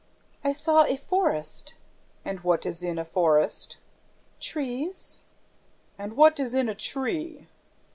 "I saw a forest." "And what is in a forest?" "Trees." "And what is in a tree?"